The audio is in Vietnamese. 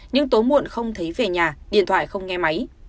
nhưng tối muộn không thấy về nhà điện thoại không nghe máy